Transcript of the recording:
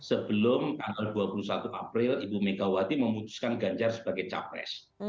sebelum tanggal dua puluh satu april ibu megawati memutuskan ganjar sebagai capres